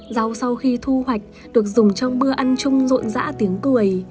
rau sau khi thu hoạch được dùng trong bữa ăn chung rộn rã tiếng cười